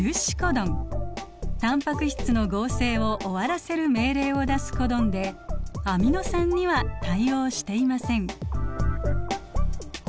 タンパク質の合成を終わらせる命令を出すコドンでアミノ酸には対応していません。